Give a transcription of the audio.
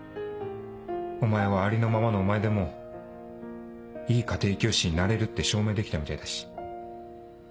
お前はありのままのお前でもいい家庭教師になれるって証明できたみたいだし。